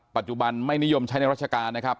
ปัจจุบันไม่นิยมใช้ในราชการนะครับ